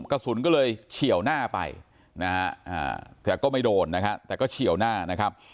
กระสุนก็เลยเฉียวหน้าไปนะฮะแต่ก็ไม่โดนนะฮะแต่ก็เฉียวหน้านะครับ